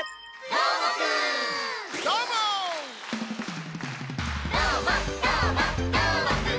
「どーもどーもどーもくん！」